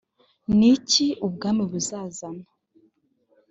ni ki ubwami buzazana